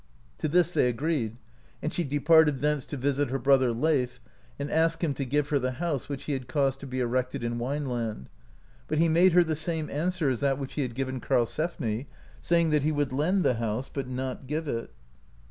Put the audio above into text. To this they agreed, and she departed thence to visit her brother, Leif, and ask him to give her the house which he had caused to be erected in Wineland, but he made her the same an swer [as that which he had given Karlsefni], saying that he would lend the house, but not g^ve it.